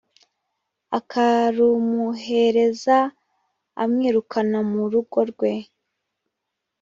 akarumuhereza amwirukana mu rugo rwe,